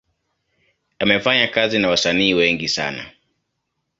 Amefanya kazi na wasanii wengi sana.